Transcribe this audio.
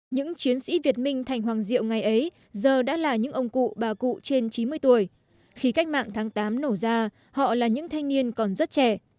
những chiến sĩ việt minh thành hoàng diệu ngày ấy giờ đã là những ông cụ bà cụ trên chín mươi tuổi khi cách mạng tháng tám nổ ra họ là những thanh niên còn rất trẻ